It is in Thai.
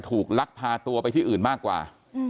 ลักพาตัวไปที่อื่นมากกว่า